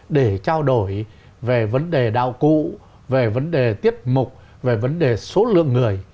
để trao đổi về vấn đề đạo cụ về vấn đề tiết mục về vấn đề số lượng người